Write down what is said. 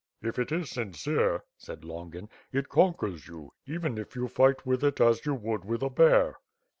"If it is sincere," said Longin, "it conquers you, even if you fight with it as you would with a bear."